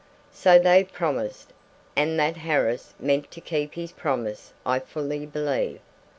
So they promised, and that Harris meant to keep his promise I fully believe.